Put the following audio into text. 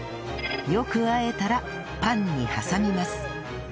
よくあえたらパンに挟みます